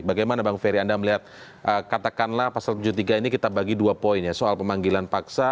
bagaimana bang ferry anda melihat katakanlah pasal tujuh puluh tiga ini kita bagi dua poin ya soal pemanggilan paksa